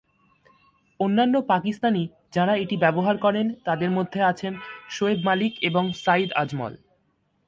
অন্যান্য পাকিস্তানি যাঁরা এটি ব্যবহার করেন তাঁদের মধ্যে আছেন শোয়েব মালিক এবং সাঈদ আজমল।